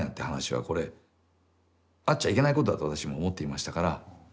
話はこれあっちゃいけないことだと私も思っていましたから。